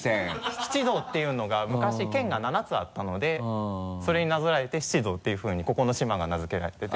七道っていうのが昔県が７つあったのでそれになぞらえて七道っていうふうにここの島が名付けられてて。